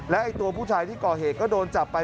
และตัวผู้ชายที่ก่อเหตุก็โดนจับไป